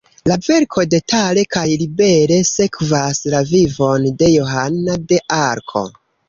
La verko detale kaj libere sekvas la vivon de Johana de Arko.